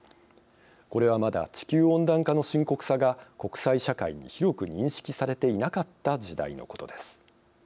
これはまだ地球温暖化の深刻さが国際社会に広く認識されていなかった時代のことです。